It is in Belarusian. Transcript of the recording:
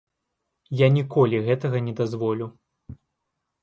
Я ніколі гэтага не дазволю.